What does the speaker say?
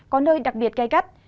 có nơi đặc biệt cay cắt